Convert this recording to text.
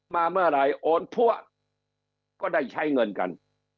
มาเมื่อไหร่โอนพั่วก็ได้ใช้เงินกัน